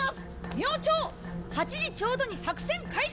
明朝８時ちょうどに作戦開始！